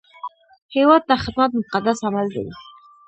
هیواد ته خدمت مقدس عمل دی